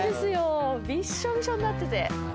びっしょびしょになってて。